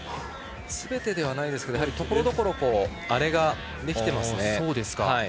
すべてではないですがところどころに荒れができていますね。